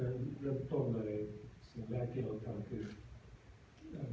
เริ่มต้นเลยสิ่งแรกที่เราทำคืออ่า